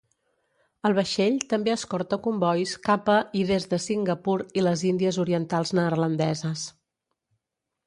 El vaixell també escorta combois cap a i des de Singapur i les Índies Orientals Neerlandeses.